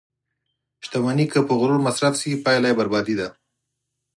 • شتمني که په غرور مصرف شي، پایله یې بربادي ده.